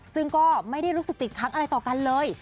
ซึ่งก็ไม่ได้รู้สึกติดค้างอะไรต่อกันเลย